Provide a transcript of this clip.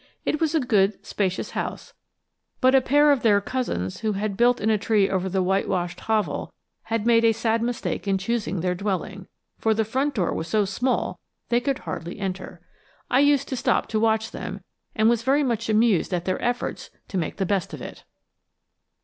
It was a good, spacious house, but a pair of their cousins who had built in a tree over the whitewashed hovel had made a sad mistake in choosing their dwelling for the front door was so small they could hardly enter! I used to stop to watch them, and was very much amused at their efforts to make the best of it.